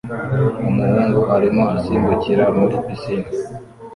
Umuhungu arimo asimbukira muri pisine